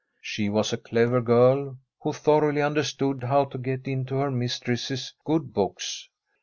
She was a clever g^rl, who thoroughly understood how to get into her mistress's good books.